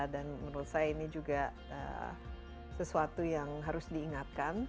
dan menurut saya ini juga sesuatu yang harus diingatkan